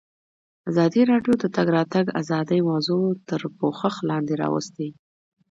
ازادي راډیو د د تګ راتګ ازادي موضوع تر پوښښ لاندې راوستې.